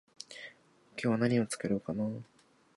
今日は何を作ろうかな？